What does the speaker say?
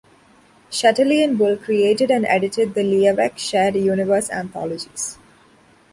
Shetterly and Bull created and edited the Liavek shared universe anthologies.